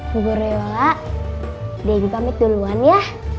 bu gori yola deh ibu pamit duluan ya